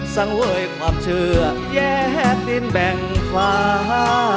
สังเวยความเชื่อแยกดินแบ่งฟ้า